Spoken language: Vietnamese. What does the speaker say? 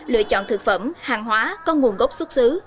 lựa chọn thực phẩm hàng hóa con nguồn gốc xuất xứ